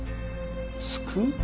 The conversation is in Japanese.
救う？